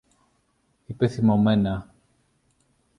είπε θυμωμένα.